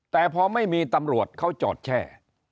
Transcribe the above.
แต่พอไม่มีตำรวจเขาจอดแช่